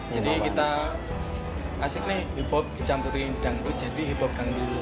jadi kita asik nih hip hop dicampurin dangdut jadi hip hop dangdut